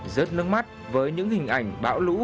rớt nước mắt với những hình ảnh bão lũ